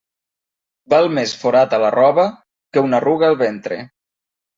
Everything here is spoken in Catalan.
Val més forat a la roba que una arruga al ventre.